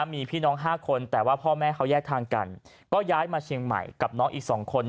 มีพี่น้อง๕คนแต่ว่าพ่อแม่เขาแยกทางกันก็ย้ายมาเชียงใหม่กับน้องอีก๒คน